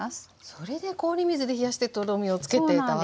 それで氷水で冷やしてとろみをつけてたわけですね。